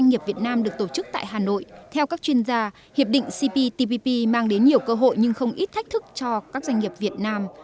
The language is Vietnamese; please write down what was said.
doanh nghiệp việt nam được tổ chức tại hà nội theo các chuyên gia hiệp định cptpp mang đến nhiều cơ hội nhưng không ít thách thức cho các doanh nghiệp việt nam